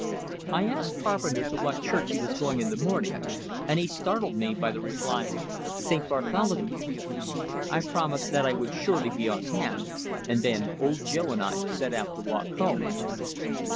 I asked Carpenter to what church he was going in the morning, and he startled me by the reply, "St. Bartholomew's." I promised that I would surely be on hand, and then Old Joe and I set out to walk home.